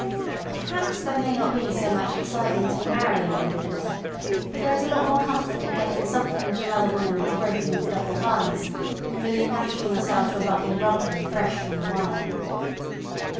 Perhaps there may not be so much excitement in marrying a widower; but there is a lot more comfort in getting something that another woman has broken to double harness than in lashing yourself to a bucking bronco fresh from the wild.